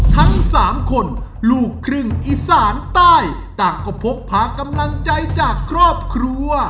ทั้งสามคนลูกครึ่งอีสานใต้ต่างก็พกพากำลังใจจากครอบครัว